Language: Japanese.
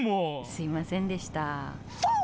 すいませんでした。